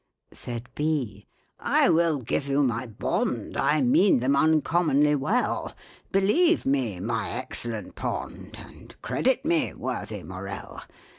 Said B., "I will give you my bond I mean them uncommonly well, Believe me, my excellent POND, And credit me, worthy MORELL.